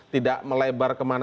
tidak melebar kemana mana